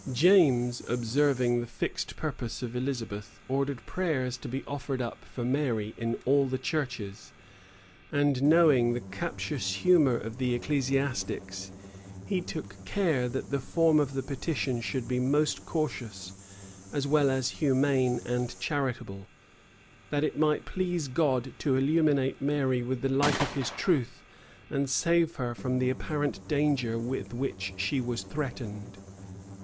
James, observing the fixed purpose of Elizabeth, ordered prayers to be offered up for Mary in all the churches; and knowing the captious humor of the ecclesiastics, he took care that the form of the petition should be most cautious, as well as humane and charitable: "That it might please God to illuminate Mary with the light of his truth, and save her from the apparent danger with which she was threatened."